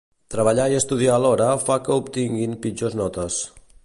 Treballar i estudiar alhora fa que obtinguin pitjors notes.